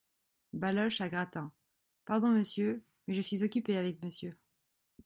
Baloche , à Gratin. — Pardon, monsieur : mais je suis occupé avec monsieur.